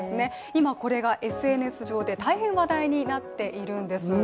今これがＳＮＳ上で大変話題になっているんです。